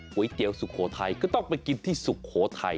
ก๋วยเตี๋ยวสุโขทัยก็ต้องไปกินที่สุโขทัย